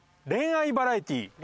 「恋愛バラエティー」。